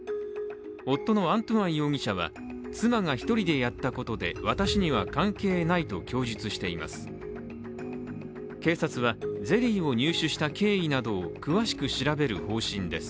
夫のアン・トゥアン容疑者は、妻が１人でやったことで私には関係ないと供述しています。